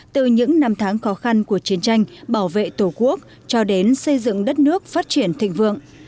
từ những năm tháng khó khăn của chiến tranh bảo vệ tổ quốc cho đến xây dựng đất nước phát triển thịnh vượng